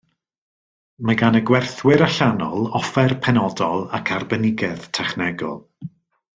Mae gan y gwerthwyr allanol offer penodol ac arbenigedd technegol